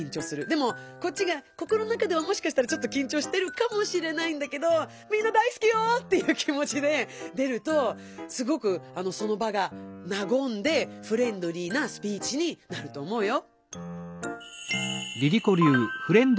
でもこっちが心の中ではもしかしたらきんちょうしてるかもしれないんだけど「みんな大すきよ」っていう気もちで出るとすごくその場がなごんでフレンドリーなスピーチになると思うよ。